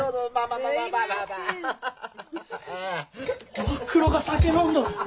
おふくろが酒飲んどる！